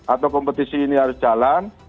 atau kompetisi ini harus jalan